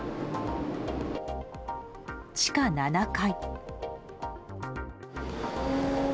地下７階。